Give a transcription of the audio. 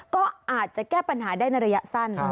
ก็อาจจะแก้ปัญหาได้ในระยะสั้น